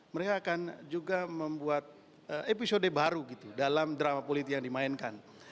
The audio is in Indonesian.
mereka akan juga membuat episode baru gitu dalam drama politik yang dimainkan